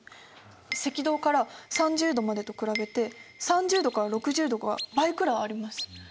赤道から３０度までと比べて３０度から６０度が倍くらいあります。